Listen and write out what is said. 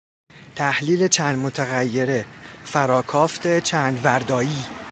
تحلیل چند متغیره، فراکافت چند وردایی